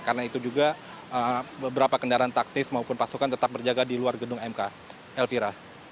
karena itu juga beberapa kendaraan taktis maupun pasukan tetap berjaga di luar gedung mk elvira